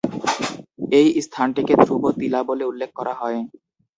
এই স্থানটিকে ধ্রুব তিলা বলে উল্লেখ করা হয়।